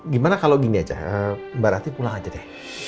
gimana kalau gini aja mbak ratih pulang aja deh